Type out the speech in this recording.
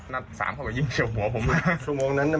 ตั้งแต่แรกแล้วอืมแล้วเขามาละลานบ่อยไหม